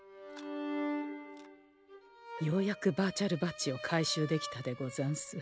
ようやくバーチャルバッジを回収できたでござんす。